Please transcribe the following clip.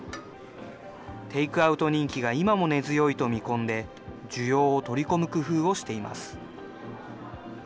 テイクアウト人気が今も根強いと見込んで、需要を取り込む工夫をしています。